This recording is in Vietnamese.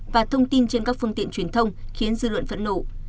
và thông tin trên các phương tiện truyền thông khiến dư luận phẫn nộ